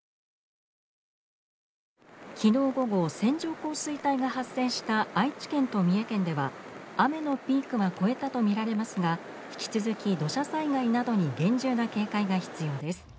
昨日午後線状降水帯が発生した愛知県と三重県では雨のピークが越えたとみられますが引き続き土砂災害などに厳重な警戒が必要です。